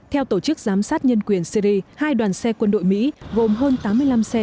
theo tổ chức giám sát nhân quyền syri hai đoàn xe quân đội mỹ gồm hơn tám mươi năm xe